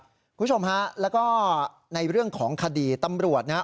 คุณผู้ชมฮะแล้วก็ในเรื่องของคดีตำรวจนะครับ